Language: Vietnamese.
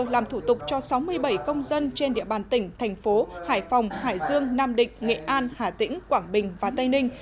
làm thủ tục cho sáu mươi bảy công dân trên địa bàn tỉnh thành phố hải phòng hải dương nam định nghệ an hà tĩnh quảng bình và tây ninh